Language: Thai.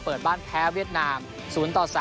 เปิดบ้านแพ้เวียดนาม๐ต่อ๓